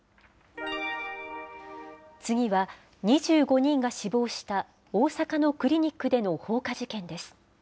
次は、２５人が死亡した大阪のクリニックでの放火事件です。